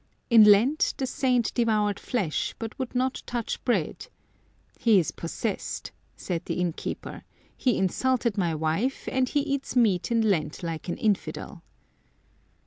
In Lent the saint devoured flesh, but would not touch bread. " He is possessed," said the inn keeper ;" he insulted my wife, and he eats meat in Lent like an infidel."